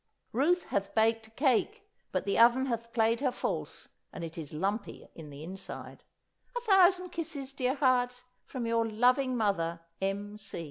Ruth hath baked a cake, but the oven hath played her false, and it is lumpy in the inside. A thousand kisses, dear heart, from your loving mother, M.